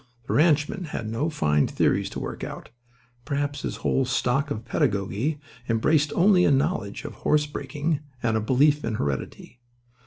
The ranchman had no fine theories to work out—perhaps his whole stock of pedagogy embraced only a knowledge of horse breaking and a belief in heredity.